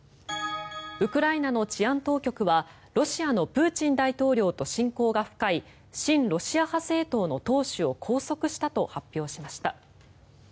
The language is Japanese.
ウクライナの治安当局はロシアのプーチン大統領と親交が深い親ロシア派政党の党首を拘束したと発表しました。